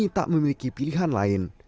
tak memiliki pilihan lain